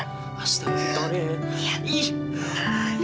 lihat victoria masuk majalah